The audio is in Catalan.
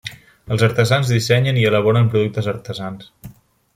Els artesans dissenyen i elaboren productes artesans.